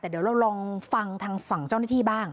แต่เดี๋ยวเราลองฟังทางฝั่งเจ้าหน้าที่บ้าง